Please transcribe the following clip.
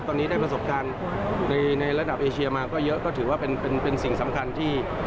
ตอนนี้ได้ประสบการณ์ในระดับเอเชียมาก็เยอะก็ถือว่าเป็นสิ่งสำคัญที่